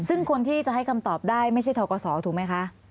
ซึ่งคนที่จะให้คำตอบได้ไม่ใช่ทกศถูกไหมคะ